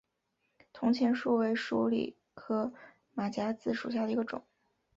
铜钱树为鼠李科马甲子属下的一个种。